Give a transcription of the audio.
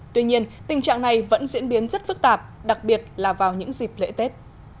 tuy nhiên tình trạng này vẫn diễn biến rất phức tạp đặc biệt là vào những dịp lễ tết